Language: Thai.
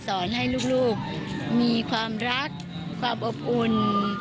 สอนให้ลูกมีความรักความอบอุ่น